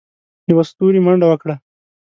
يوه ستوري منډه وکړه.